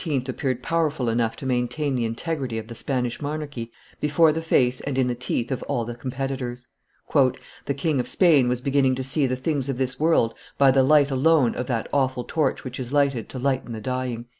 appeared powerful enough to maintain the integrity of the Spanish monarchy before the face and in the teeth of all the competitors. "The King of Spain was beginning to see the, things of this world by the light alone of that awful torch which is lighted to lighten the dying."